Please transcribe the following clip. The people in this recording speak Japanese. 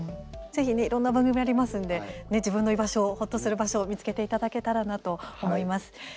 ぜひね、いろいろな番組ありますので、自分の居場所ほっとする場所を見つけていただけたらなと思います。